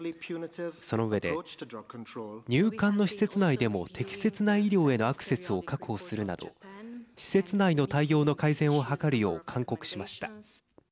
その上で入管の施設内でも適切な医療へのアクセスを確保するなど施設内の対応の改善を図るよう勧告しました。